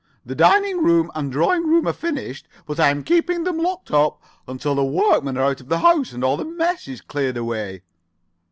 "The dining room and drawing room are finished, but I am keeping them locked up until the workmen are out of the house, and all the mess is cleared away."